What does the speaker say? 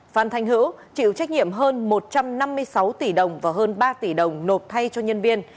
phan thanh hữu chịu trách nhiệm hơn một trăm năm mươi sáu tỷ đồng và hơn ba tỷ đồng nộp thay cho nhân viên